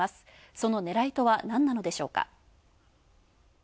そのねらいとは、なんなのでしょうか？